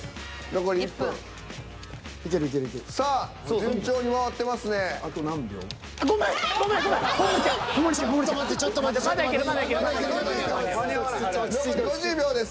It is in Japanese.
残り５０秒です。